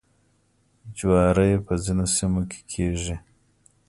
جواری په ځینو سیمو کې کیږي.